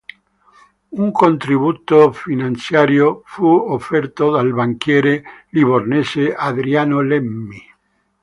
Un contributo finanziario fu offerto dal banchiere livornese Adriano Lemmi.